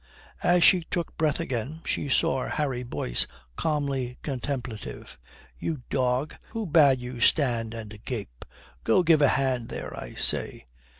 As she took breath again, she saw Harry Boyce calmly contemplative. "You dog, who bade you stand and gape? Go, give a hand there, I say."